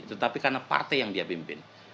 tetapi karena partai yang dia pimpin